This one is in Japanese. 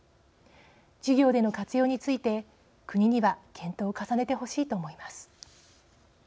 授業での活用について国には検討を重ねてほしいと思います。